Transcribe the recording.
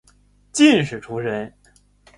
进士出身。